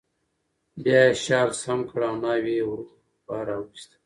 بیا یې شال سم کړ او ناوې یې ورو ورو بهر راوویسته